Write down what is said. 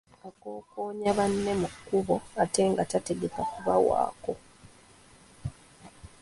Akokoonya banne mu kkubo ate nga tategenda kubawaako.